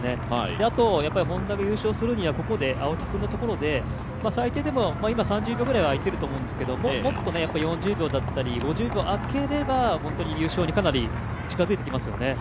あとＨｏｎｄａが優勝するにはここで青木君のところで、最低でも３０秒ぐらいはあいていると思うんですけど、もっと４０秒だったり５０秒あければ優勝にかなり近づいてきますよね。